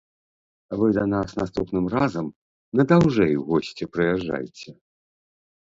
Вы да нас наступным разам на даўжэй у госці прыязджайце.